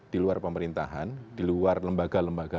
di luar pemerintahan di luar lembaga lembaga